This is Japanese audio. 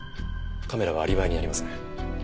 カメラはアリバイになりません。